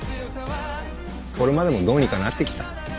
これまでもどうにかなってきた。